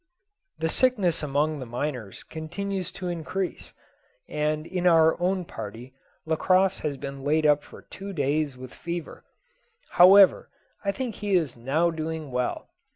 The sickness amongst the miners continues to increase, and in our own party Lacosse has been laid up for two days with fever; however, I think he is now doing well.